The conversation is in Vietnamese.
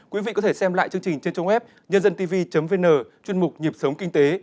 quý vị có thể xem lại chương trình trên trông web nhândântv vn chuyên mục nhịp sống kinh tế